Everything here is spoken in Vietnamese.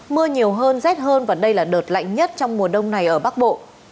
mưa nhiều hơn rét hơn và đây là đợt lạnh nhất trong mùa đông này ở bắc bộ